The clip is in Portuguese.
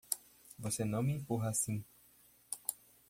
Você não me empurra assim!